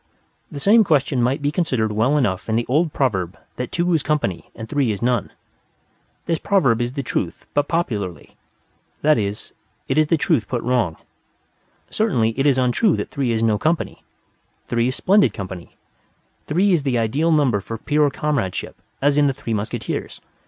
The same question might be considered well enough in the old proverb that two is company and three is none. This proverb is the truth put popularly: that is, it is the truth put wrong. Certainly it is untrue that three is no company. Three is splendid company: three is the ideal number for pure comradeship: as in the Three Musketeers.